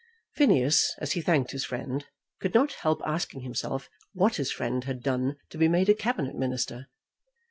Phineas, as he thanked his friend, could not help asking himself what his friend had done to be made a Cabinet Minister.